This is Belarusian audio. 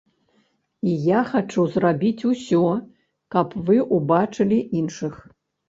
І я хачу зрабіць усё, каб вы ўбачылі іншых.